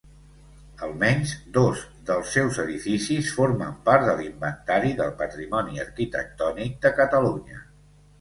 Almenys dos dels seus edificis formen part de l'Inventari del Patrimoni Arquitectònic de Catalunya.